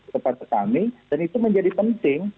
kepada kami dan itu menjadi penting